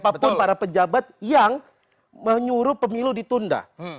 siapapun para pejabat yang menyuruh pemilu ditunda